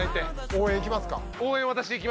応援私行きます！